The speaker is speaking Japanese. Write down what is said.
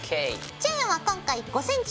チェーンは今回５ｃｍです。